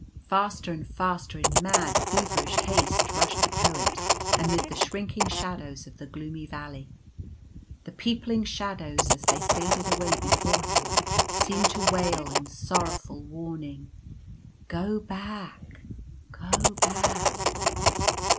Faster and faster in mad, feverish haste rushed the Poet, amid the shrinking Shadows of the gloomy valley. The peopling shadows as they faded away before him, seemed to wail in sorrowful warning :" Go back ! Go back